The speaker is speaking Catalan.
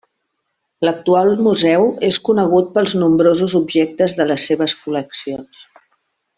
L'actual museu és conegut pels nombrosos objectes de les seves col·leccions.